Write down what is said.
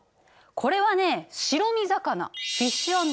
これはね白身魚。